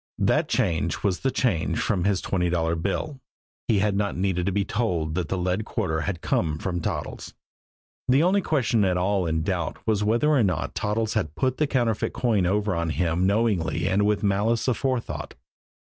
That change was the change from his twenty dollar bill. He had not needed to be told that the lead quarter had come from Toddles. The only question at all in doubt was whether or not Toddles had put the counterfeit coin over on him knowingly and with malice aforethought.